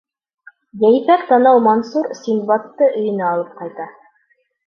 Йәйпәк танау Мансур Синдбадты өйөнә алып ҡайта.